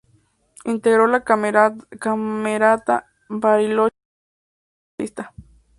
Integró la Camerata Bariloche como viola solista.